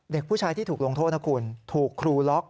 เด็กผู้ชายที่ถูกลงโทษนะคุณถูกครูล็อก